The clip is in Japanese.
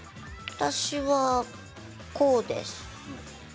私はこうです。